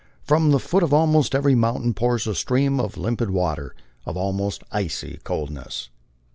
From the foot of almost every mountain pours a stream of limpid water, of almost icy coldness.